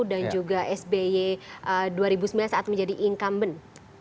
dan juga sby dua ribu sembilan saat menjadi incumbent